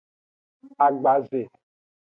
Agbaze.